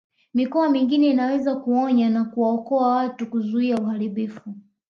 Mikoa mingine inaweza kuonya na kuwaokoa watu kuzuia uharibifu